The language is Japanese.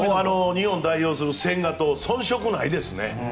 日本を代表する千賀と遜色ないですね。